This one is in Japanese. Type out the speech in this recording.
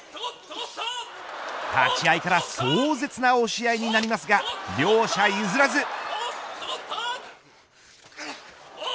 立ち合いから壮絶な押し合いになりますが両者譲らず。